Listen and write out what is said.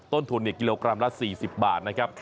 ต้นทุนกิโลกรัมละ๔๐บาทนะครับ